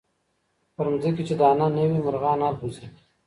پر مځکي چي دانه نه وي مرغان البوځي.